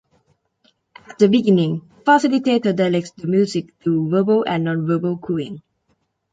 At the beginning the facilitator directs the music through verbal and non-verbal cuing.